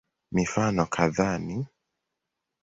Mifano kadhaa ni